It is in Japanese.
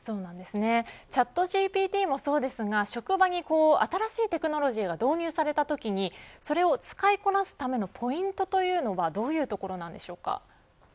ＣｈａｔＧＰＴもそうですが職場に新しいテクノロジーが導入されたときにそれを使いこなすためのポイントというのはどういうところなんでしょうか。